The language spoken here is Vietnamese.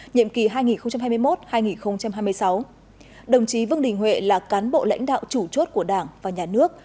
nhiệm kỳ hai nghìn hai mươi một hai nghìn hai mươi sáu đồng chí vương đình huệ là cán bộ lãnh đạo chủ chốt của đảng và nhà nước